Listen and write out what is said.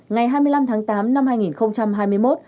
ngày hai mươi năm tháng tám năm hai nghìn hai mươi một